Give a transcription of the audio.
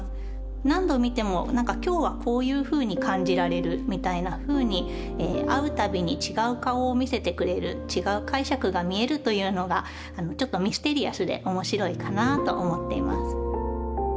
何度見ても今日はこういうふうに感じられるみたいなふうに会う度に違う顔を見せてくれる違う解釈が見えるというのがちょっとミステリアスで面白いかなあと思っています。